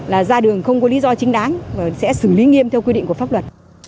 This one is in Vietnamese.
là ra đường không có lý do chính đáng và sẽ xử lý nghiêm theo quy định của pháp luật